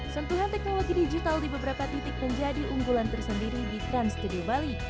sentuhan teknologi digital di beberapa titik menjadi unggulan tersendiri di trans studio bali